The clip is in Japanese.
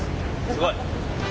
すごい。